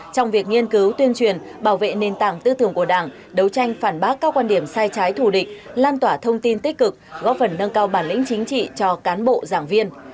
trong việc nghiên cứu tuyên truyền bảo vệ nền tảng tư tưởng của đảng đấu tranh phản bác các quan điểm sai trái thù địch lan tỏa thông tin tích cực góp phần nâng cao bản lĩnh chính trị cho cán bộ giảng viên